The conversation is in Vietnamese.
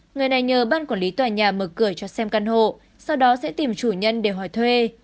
người này nhờ ban quản lý tòa nhà mở cửa cho xem căn hộ sau đó sẽ tìm chủ nhân để hỏi thuê